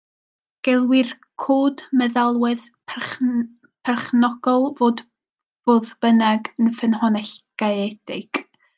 Gelwir cod meddalwedd perchnogol, fodd bynnag, yn ffynhonnell gaeedig.